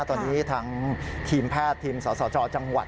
ตอนนี้ทางทีมแพทย์ทีมสสจจังหวัด